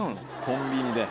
コンビニで。